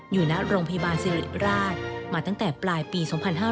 อยู่หน้าโรงพยาบาลศิริราชมาตั้งแต่ปลายปี๒๕๕๗